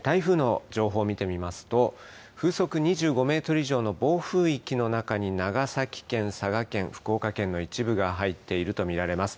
台風の情報を見てみますと、風速２５メートル以上の暴風域の中に、長崎県、佐賀県、福岡県の一部が入っていると見られます。